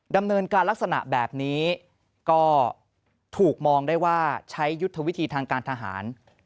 ลักษณะแบบนี้ก็ถูกมองได้ว่าใช้ยุทธวิธีทางการทหาร